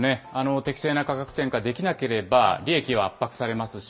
適正な価格転嫁できなければ、利益は圧迫されますし、